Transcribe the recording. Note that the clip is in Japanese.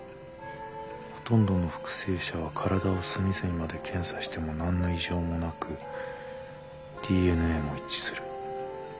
ほとんどの復生者は体を隅々まで検査しても何の異常もなくＤＮＡも一致する。